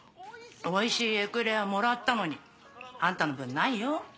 おいしいエクレアもらったのにあんたの分ないよ。